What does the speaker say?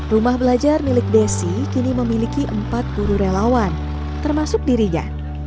rumah belajar milik desi kini memiliki empat guru relawan termasuk dirinya